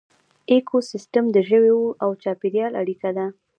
ایکوسیسټم د ژویو او چاپیریال اړیکه ده